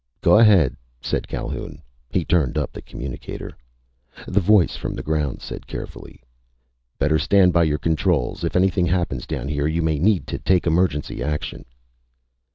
_" "Go ahead," said Calhoun. He turned up the communicator. The voice from the ground said carefully: "_Better stand by your controls. If anything happens down here you may need to take emergency action.